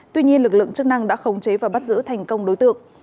tuy nhiên lực lượng chức năng đã khống chế và bắt giữ thành công đối tượng